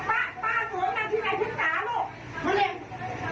ป้าป้าสวยมาที่ไหนฉันตาลูก